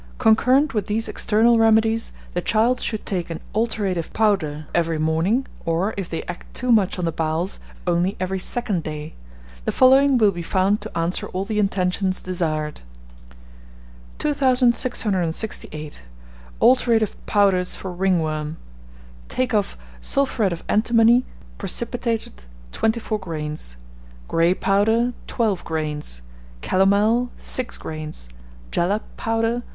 Concurrent with these external remedies, the child should take an alterative powder every morning, or, if they act too much on the bowels, only every second day. The following will be found to answer all the intentions desired. 2668. Alterative Powders for Ringworm. Take of Sulphuret of antimony, precipitated . 24 grains. Grey powder ..... 12 grains. Calomel ...... 6 grains. Jalap powder